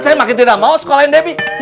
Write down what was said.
saya makin tidak mau sekolahin debbie